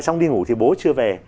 xong đi ngủ thì bố chưa về